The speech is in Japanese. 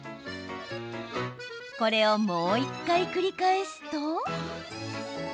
これをもう１回、繰り返すと。